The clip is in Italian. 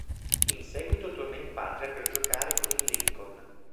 In seguito torna in patria per giocare con il Lincoln.